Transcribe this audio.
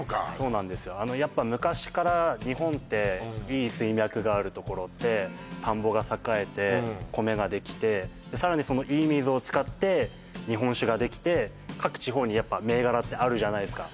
昔から日本っていい水脈があるところって田んぼが栄えて米ができてさらにそのいい水を使って日本酒ができて各地方にやっぱ銘柄ってあるじゃないですか